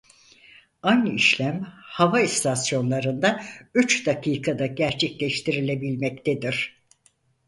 Aynı işlem hava istasyonlarında üç dakikada gerçekleştirilebilmektedir.